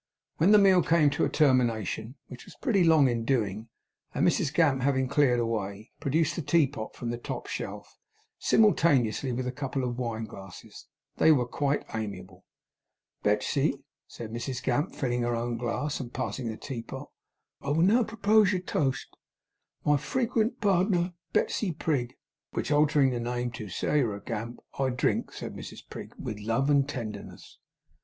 When the meal came to a termination (which it was pretty long in doing), and Mrs Gamp having cleared away, produced the teapot from the top shelf, simultaneously with a couple of wine glasses, they were quite amiable. 'Betsey,' said Mrs Gamp, filling her own glass and passing the teapot, 'I will now propoge a toast. My frequent pardner, Betsey Prig!' 'Which, altering the name to Sairah Gamp; I drink,' said Mrs Prig, 'with love and tenderness.